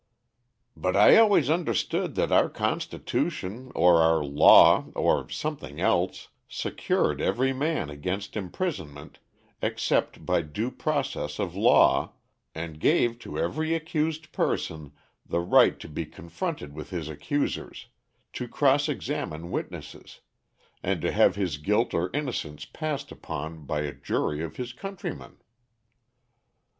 "But I always understood that our constitution or our law or something else secured every man against imprisonment except by due process of law, and gave to every accused person the right to be confronted with his accusers, to cross examine witnesses, and to have his guilt or innocence passed upon by a jury of his countrymen."